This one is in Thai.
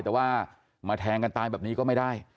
แต่ว่ามาแทงกันตายแบบนี้ก็ไม่ได้